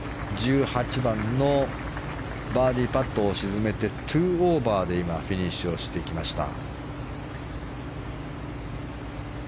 １８番のバーディーパットを沈めて２オーバーでフィニッシュしてきました。